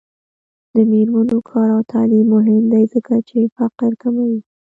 د میرمنو کار او تعلیم مهم دی ځکه چې فقر کموي.